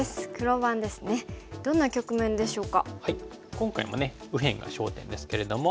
今回もね右辺が焦点ですけれども。